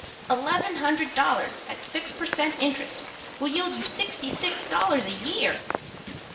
"Eleven hundred dollars at six per cent. interest will yield you sixty six dollars a year."